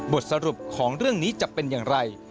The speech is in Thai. บทสรุปของเรื่องนี้จะเป็นอย่างไร